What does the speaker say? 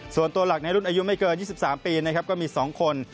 ส่วนตัวหลักในรุ่นอายุไม่เกิน๒๓ปีนะครับก็มี๒คน